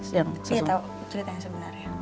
saya tahu cerita yang sebenarnya